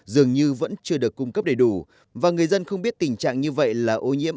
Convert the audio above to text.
dường như vẫn chưa được cung cấp đầy đủ và người dân không biết tình trạng như vậy là ô nhiễm